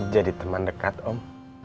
jadi teman dekat om